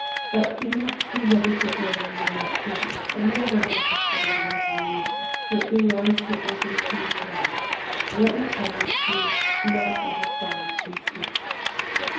But be not too ready to go where you are not bidden, and never venture foot in the Red Room now, for it belongs to your Uncle Hugh's wife, and let me tell you she is not over fond of intruders."